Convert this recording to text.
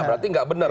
berarti nggak benar